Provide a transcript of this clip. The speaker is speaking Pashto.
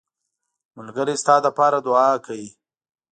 ملګری ستا لپاره دعا کوي